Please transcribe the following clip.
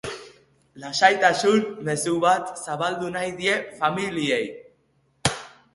Lasaitasun mezu bat zabaldu nahi die familiei.